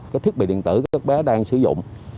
cái thiết bị điện tử của các bé đang sử dụng